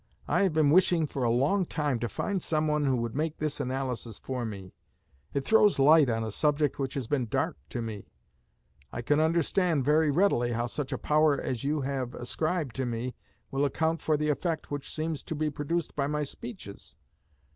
I have been wishing for a long time to find someone who would make this analysis for me. It throws light on a subject which has been dark to me. I can understand very readily how such a power as you have ascribed to me will account for the effect which seems to be produced by my speeches.